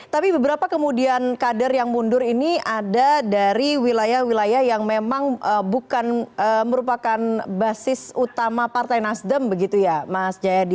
tapi beberapa kemudian kader yang mundur ini ada dari wilayah wilayah yang memang merupakan basis utama partai nasdem begitu ya mas jayadi